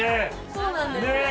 そうなんです。